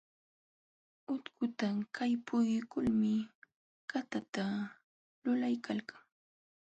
Utkuta kaypuykulmi katata lulaykalkan.